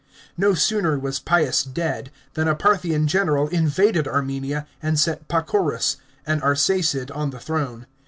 No sooner was Pius dead, than a Parthian general invaded Armenia, and set Pacorus, an Arsacid, on the throne.